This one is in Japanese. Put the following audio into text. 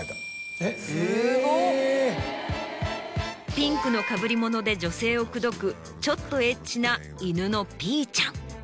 ピンクのかぶりもので女性を口説くちょっとエッチな犬のＰちゃん。